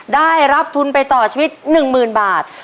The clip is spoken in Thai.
ได้รับทุนไปต่อชีวิต๑๐๐๐บาท